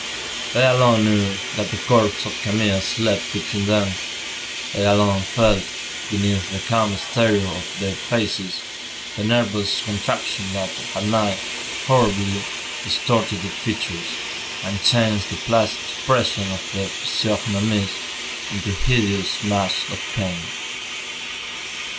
They alone knew that the corpse of Camille slept between them; they alone felt, beneath the calm exterior of their faces, the nervous contractions that, at night, horribly distorted their features, and changed the placid expression of their physiognomies into hideous masks of pain.